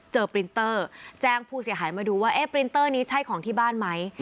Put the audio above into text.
ปรินเตอร์แจ้งผู้เสียหายมาดูว่าเอ๊ะปรินเตอร์นี้ใช่ของที่บ้านไหม